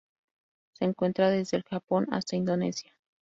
Se encuentra desde el Japón hasta Indonesia.